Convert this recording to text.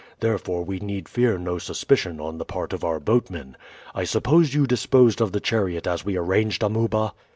Therefore we need fear no suspicion on the part of our boatmen. I suppose you disposed of the chariot as we arranged, Amuba?"